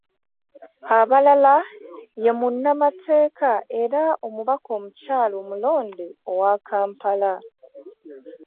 Abalala ye munnamateeka era omubaka omukyala omulobde oww Kampala